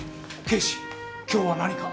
警視今日は何か？